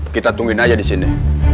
kita tungguin aja disini